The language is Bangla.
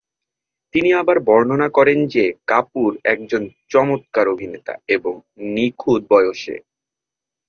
তিনি আবার বর্ণনা করেন যে কাপুর একজন চমৎকার অভিনেতা এবং "নিখুঁত বয়সে।"